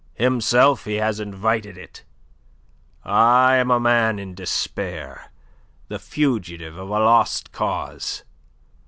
Himself he has invited it. I am a man in despair, the fugitive of a lost cause.